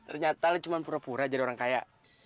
ternyata lo cuma pura pura jadi orang kaya